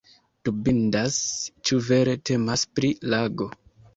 Dubindas ĉu vere temas pri lago.